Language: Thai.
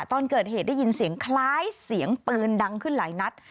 ตอนเกิดเหตุได้ยินเสียงคล้ายเสียงปืนดังขึ้นหลายนัด